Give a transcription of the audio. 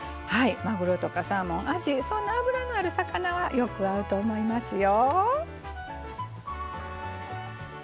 まぐろとかサーモンあじそんな脂のある魚はよく合うと思いますよ。